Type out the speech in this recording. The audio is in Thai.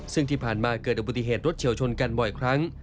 ซึ่งที่ผ่านมาเกิดอุบัติเหตุรถเฉียวชนกันบ่อยครั้ง